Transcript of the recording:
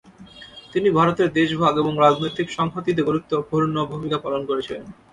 তিনি ভারতের দেশভাগ এবং রাজনৈতিক সংহতিতে গুরুত্বপূর্ণ ভূমিকা পালন করেছিলেন।